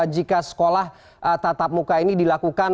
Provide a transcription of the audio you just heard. jika sekolah tatap muka ini dilakukan